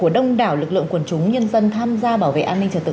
của đông đảo lực lượng quần chúng nhân dân tham gia bảo vệ an ninh trật tự